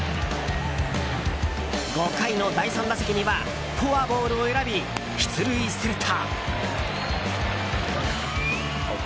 ５回の第３打席にはフォアボールを選び出塁すると。